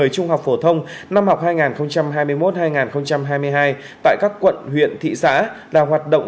trung học phổ thông năm học hai nghìn hai mươi một hai nghìn hai mươi hai tại các quận huyện thị xã đang hoạt động